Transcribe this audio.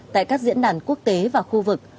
tại các diễn đàn quốc tế và khu vực